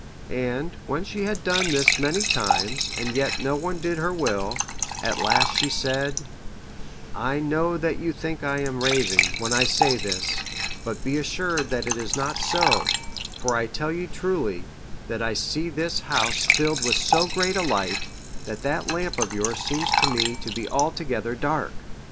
And, when she had done this many times, and yet no one did her will, at last she said, "I know that you think I am raving, when I say this, but be assured that it is not so; for I tell you truly, that I see this house filled with so great a light, that that lamp of yours seems to me to be altogether dark."